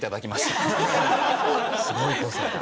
すごい個性だ。